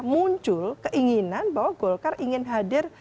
muncul keinginan bahwa golkar ingin hadir